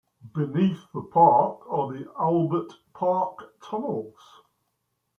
Beneath the park are the Albert Park tunnels.